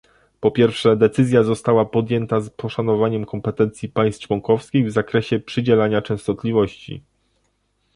po pierwsze, decyzja została podjęta z poszanowaniem kompetencji państw członkowskich w zakresie przydzielania częstotliwości